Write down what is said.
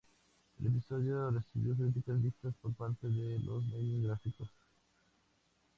El episodio recibió críticas mixtas por parte de los medios gráficos.